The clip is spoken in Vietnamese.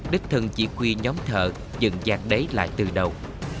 đích thần chỉ quy nhóm thợ dừng giạc đáy lại từ đầu